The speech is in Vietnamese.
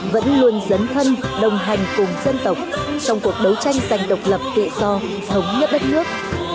vẫn luôn dấn thân đồng hành cùng dân tộc trong cuộc đấu tranh dành độc lập tự do thống nhất đất nước